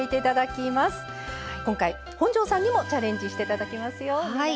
今回本上さんにもチャレンジして頂きますよ。